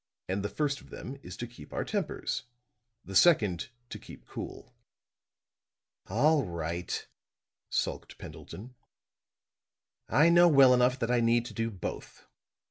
"And the first of them is to keep our tempers the second to keep cool." "All right," sulked Pendleton. "I know well enough that I need to do both.